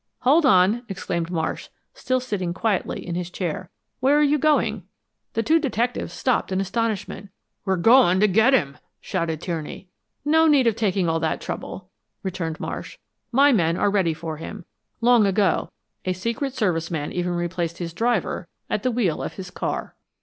"Hold on!" exclaimed Marsh, still sitting quietly in his chair, "Where are you going?" The two detectives stopped in astonishment. "We're going to get him!" shouted Tierney. "No need of taking all that trouble," returned Marsh. "My men are ready for him. Long ago a Secret Service man even replaced his driver at the wheel of his car."